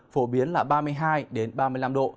phổ biến là ba mươi hai ba mươi năm độ